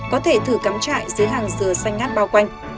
có thể thử cắm trại dưới hàng dừa xanh ngát bao quanh